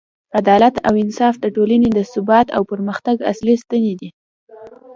عدالت او انصاف د ټولنې د ثبات او پرمختګ اصلي ستنې دي.